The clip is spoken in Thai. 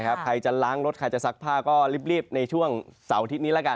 ใครจะล้างรถใครจะซักผ้าก็รีบในช่วงเสาร์อาทิตย์นี้ละกัน